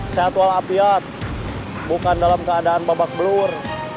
saya atual apiat bukan dalam keadaan babak belur